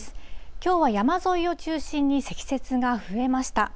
きょうは山沿いを中心に積雪が増えました。